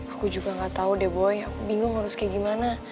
aku juga nggak tahu de boy aku bingung harus kayak gimana